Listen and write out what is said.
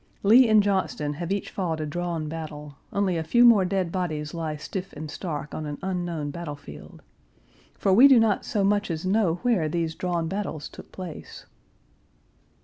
Lee and Johnston have each fought a drawn battle; only a few more dead bodies lie stiff and stark on an unknown battle field. For we do not so much as know where these drawn battles took place.